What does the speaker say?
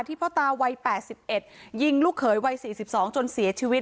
ที่พ่อตาวัยแปดสิบเอ็ดยิงลูกเขยวัยสี่สิบสองจนเสียชีวิต